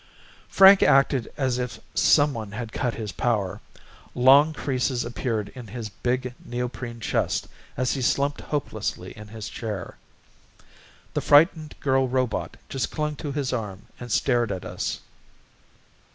Frank acted as if someone had cut his power. Long creases appeared in his big neoprene chest as he slumped hopelessly in his chair. The frightened girl robot just clung to his arm and stared at us.